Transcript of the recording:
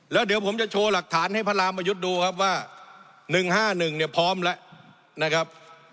แล้วเดี๋ยวผมจะโชว์หลักฐานให้พระรามประยุทธ์ดูครับว่า๑๕๑เนี่ยพร้อมแล้วนะครับ